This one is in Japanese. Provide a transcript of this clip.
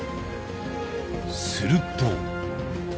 すると。